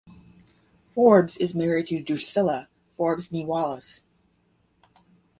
Forbes is married to Drucilla Forbes nee Wallace.